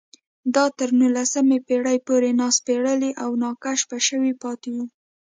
دا تر نولسمې پېړۍ پورې ناسپړلي او ناکشف شوي پاتې وو